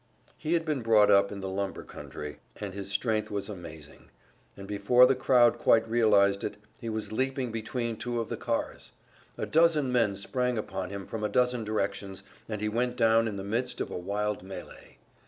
He had been brought up in the lumber country, and his strength was amazing, and before the crowd quite realized it, he was leaping between two of the cars. A dozen men sprang upon him from a dozen directions, and he went down in the midst of a wild melee.